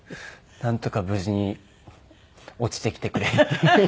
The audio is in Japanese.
なんとか無事に落ちてきてくれって。